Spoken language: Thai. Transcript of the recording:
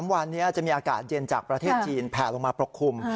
๓วันนี้จะมีอากาศเย็นจากประเทศจีนแผลลงมาปกคลุม